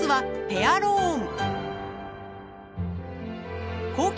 ペアローン？